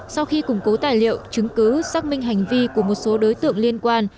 sau khi củng cố tài liệu chứng cứ xác minh hành vi của một số đối tượng liên quan